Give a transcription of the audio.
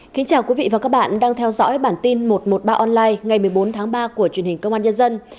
chào mừng quý vị đến với bản tin một trăm một mươi ba online ngày một mươi bốn tháng ba của truyền hình công an nhân dân